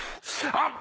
あっ。